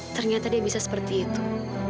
ternyata dia bisa seperti itu